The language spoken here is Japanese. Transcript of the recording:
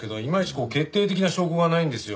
こう決定的な証拠がないんですよ。